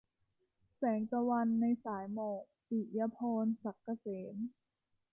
แสงตะวันในสายหมอก - ปิยะพร ศักดิ์เกษม